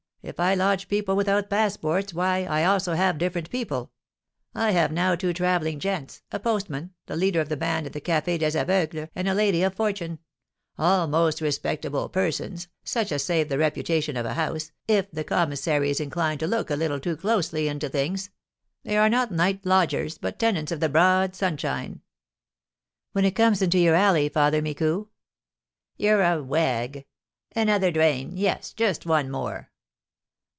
If I lodge people without passports, why, I also have different people. I have now two travelling gents, a postman, the leader of the band at the Café des Aveugles, and a lady of fortune, all most respectable persons, such as save the reputation of a house, if the commissary is inclined to look a little too closely into things; they are not night lodgers, but tenants of the broad sunshine." "When it comes into your alley, Father Micou." "You're a wag. Another drain, yes, just one more."